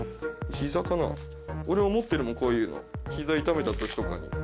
俺も持ってるもんこういうのヒザ痛めた時とかに。